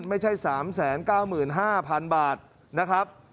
ไม่ใช่๓๙๕๐๐๐บาทนะครับ